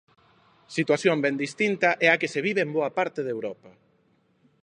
Situación ben distinta é a que se vive en boa parte de Europa.